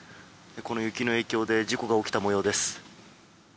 この雪の影響で事故が起きた模様です。